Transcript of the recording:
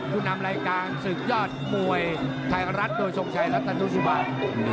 ผู้นำรายการศึกยอดมวยไทยรัฐโดยทรงชัยรัฐนุสุบัน